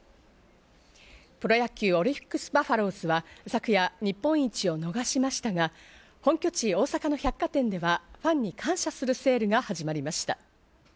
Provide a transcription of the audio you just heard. プロ野球オリックスバファローズは昨夜、日本一を逃しましたが、本拠地・大阪の百貨店ではファンに感謝するセールが始まりました。